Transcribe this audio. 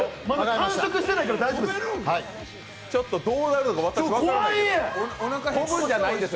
完食してないから大丈夫です。